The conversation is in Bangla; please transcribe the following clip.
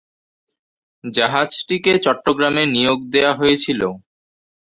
জাহাজটিকে চট্টগ্রামে নিয়োগ দেয়া হয়েছিল।